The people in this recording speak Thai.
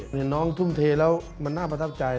นี่น้องทุ่มเทแล้วมันน่าประทับใจ